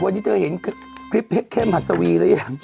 วันนี้เธอเห็นคลิปเข้มหัสวีหรือยัง